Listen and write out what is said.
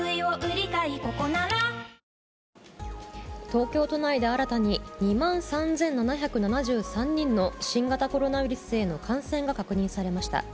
東京都内で新たに２万３７７３人の新型コロナウイルスへの感染が確認されました。